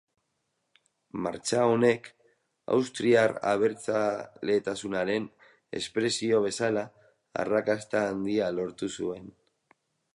Martxa honek, austriar abertzaletasunaren espresio bezala, arrakasta handia lortu zuen.